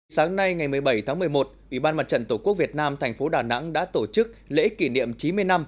sáng nay ngày một mươi bảy tháng một mươi một ủy ban mặt trận tổ quốc việt nam thành phố đà nẵng đã tổ chức lễ kỷ niệm chín mươi năm